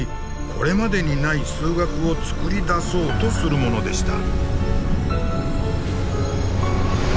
これまでにない数学を作り出そうとするものでした。